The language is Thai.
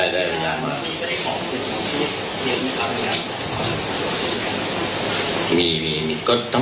มีก็ทั้งหมดต้องกว่าเกือบ๔๐ปลาเนอะที่ออกซื้อมาไม่ดีปลาเองนะครับ